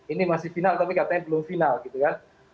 ini masih final tapi katanya belum final gitu kan